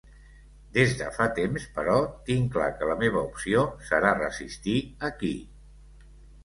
Des de fa temps, però, tinc clar que la meva opció serà resistir aquí.